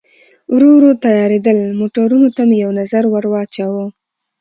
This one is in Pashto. ورو ورو تیارېدل، موټرونو ته مې یو نظر ور واچاوه.